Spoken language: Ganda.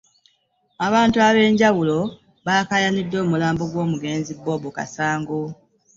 Abantu ab'enjawulo baakaayanide omulambo gw'omugenzi Bob Kasango.